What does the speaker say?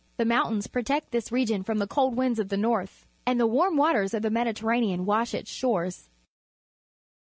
The mountains protect this region from the cold winds of the north, and the warm waters of the Mediterranean wash its shores.